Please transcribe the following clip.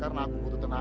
aku ke sana